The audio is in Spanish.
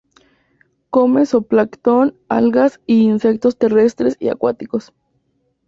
Come zooplancton, algas, y insectos terrestres y acuáticos.